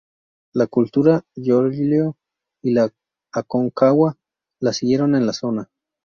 La cultura Llolleo y la Aconcagua la siguieron en la zona.